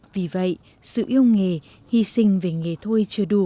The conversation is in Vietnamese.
vì vậy sự yêu nghề hy sinh về nghề thôi chưa đủ